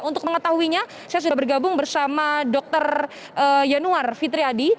untuk mengetahuinya saya sudah bergabung bersama dr yanuar fitri adi